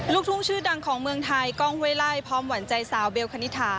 ลูกทุ่งชื่อดังของเมืองไทยกล้องห้วยไล่พร้อมหวานใจสาวเบลคณิตถา